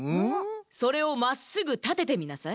それをまっすぐたててみなさい。